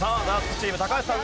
チーム高橋さん